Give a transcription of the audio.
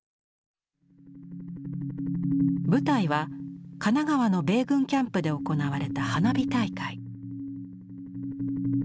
舞台は神奈川の米軍キャンプで行われた花火大会。